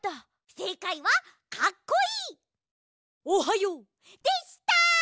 せいかいは「かっこいいおはよう」でした！